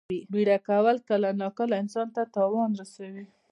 بیړه کول کله کله انسان ته تاوان رسوي.